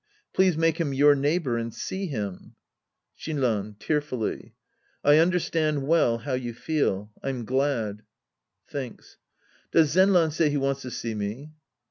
Please make him your neighbor and see him. Shinran {tearfully). I understand well how you feel. I'm glad. {Thinks.) Does Zenran say he wants to see me